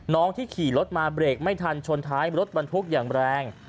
ที่ขี่รถมาเบรกไม่ทันชนท้ายรถบรรทุกอย่างแรง